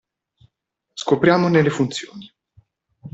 Scopriamone le funzioni.